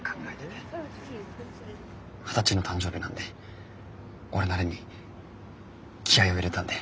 二十歳の誕生日なんで俺なりに気合いを入れたんで。